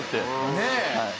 ねえ。